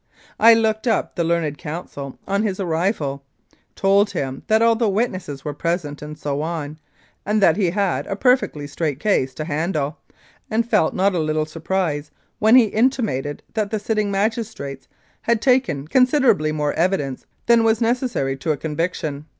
I looked up the learned counsel on his arrival, told him that all the witnesses were present and so on, and that he had a perfectly straight case to handle, and felt not a little surprise when he intimated that the sitting magistrates had taken considerably more evidence than was necessary to a conviction.